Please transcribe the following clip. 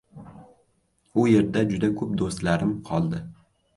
– U yerda juda koʻp doʻstlarim qoldi.